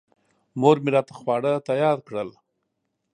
مور مې راته خواړه تیار کړل.